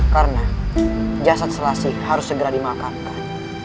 karena jasad selasi harus segera dimakamkan